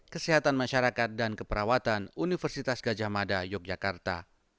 kesehatan masyarakat dan keperawatan universitas gajah mada yogyakarta